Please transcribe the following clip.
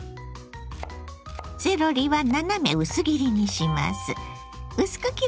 セロリは斜め薄切りにします。